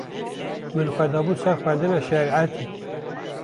min xwe dabû ser xwendina şerîetê